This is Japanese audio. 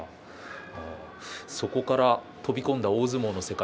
そこから飛び込んだ大相撲の世界。